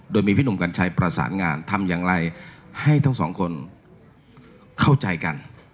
โดยมีพี่หนุ่มกัญชัยประสานงานทำอย่างไรให้ทั้งสองคนเข้าใจกัน